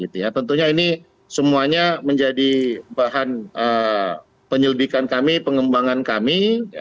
tentunya ini semuanya menjadi bahan penyelidikan kami pengembangan kami